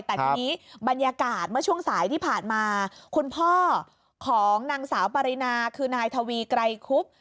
แต่ทีนี้บรรยากาศเมื่อช่วงสายที่ผ่านมาคุณพ่อของนางสาวปรินาคือนายทวีไกรคุบ